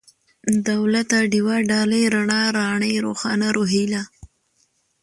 دولته ، ډېوه ، ډالۍ ، رڼا ، راڼۍ ، روښانه ، روهيله